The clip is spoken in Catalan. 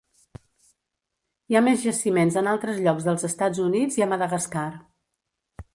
Hi ha més jaciments en altres llocs dels Estats Units i a Madagascar.